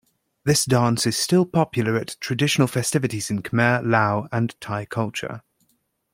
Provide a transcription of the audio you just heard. This dance is still popular at traditional festivities in Khmer, Lao and Thai culture.